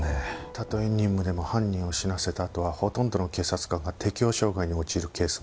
たとえ任務でも犯人を死なせたあとはほとんどの警察官が適応障害に陥るケースもあるといいますが。